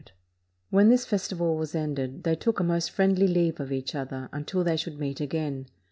When this festival was ended, they took a most friendly leave of each other, until they should meet again.